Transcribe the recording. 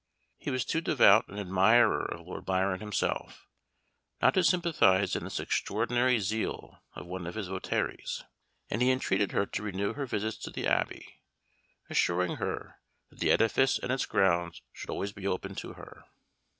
He was too devout an admirer of Lord Byron himself, not to sympathize in this extraordinary zeal of one of his votaries, and he entreated her to renew her visits at the Abbey, assuring her that the edifice and its grounds should always be open to her.